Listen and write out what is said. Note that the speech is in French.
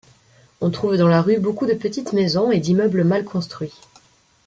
On trouve dans la rue beaucoup de petites maisons et d'immeubles mal construits.